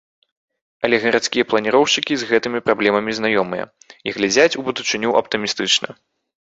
Але гарадскія планіроўшчыкі з гэтымі праблемамі знаёмыя, і глядзяць у будучыню аптымістычна.